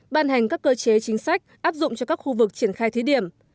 ban hành các cơ chế chính sách áp dụng cho các khu vực triển khai thí điểm